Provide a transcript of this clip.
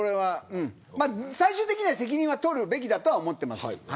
最終的には責任は取るべきだと思ってます。